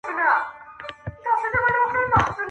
دایمی به یې وي برخه له ژوندونه--!